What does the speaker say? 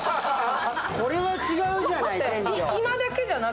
これは違うじゃない、店長。